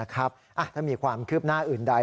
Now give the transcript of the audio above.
ถ้ามีความคืบหน้าอื่นใด